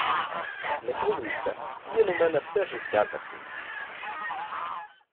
Не хвилюйся. Він у мене все життя такий.